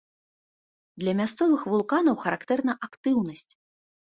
Для мясцовых вулканаў характэрна актыўнасць.